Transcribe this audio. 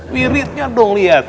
wiridnya dong liat